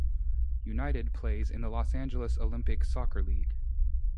United plays in the Los Angeles Olympic Soccer League.